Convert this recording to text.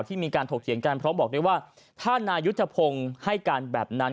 มีการถกเถียงกันเพราะบอกได้ว่าถ้านายุทธพงศ์ให้การแบบนั้น